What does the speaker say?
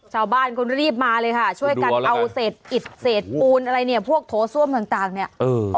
ชาวบ้านก็รีบมาเลยค่ะช่วยกันเอาเศษอิดเศษปูนอะไรเนี่ยพวกโถส้วมต่างเนี่ย